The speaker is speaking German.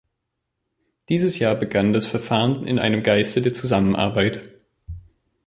Dieses Jahr begann das Verfahren in einem Geiste der Zusammenarbeit.